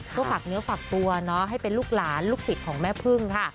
ก็ฝากเนื้อฝากตัวให้เป็นลูกหลานลูกศิษย์ของแม่พึ่งค่ะ